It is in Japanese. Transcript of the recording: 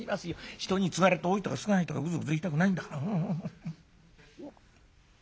人につがれて多いとか少ないとかグズグズ言いたくないんだから」。